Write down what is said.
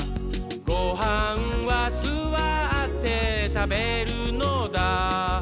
「ごはんはすわってたべるのだ」